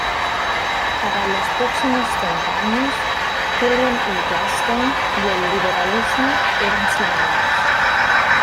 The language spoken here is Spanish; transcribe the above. Para los próximos treinta años William E. Gladstone y el liberalismo eran sinónimos.